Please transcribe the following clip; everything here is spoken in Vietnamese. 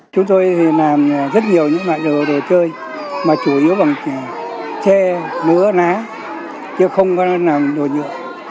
chúng tôi làm rất nhiều những loại đồ chơi mà chủ yếu bằng chè mứa lá chứ không có làm đồ nhựa